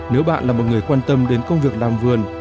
nếu bạn là một người quan tâm đến công việc làm vườn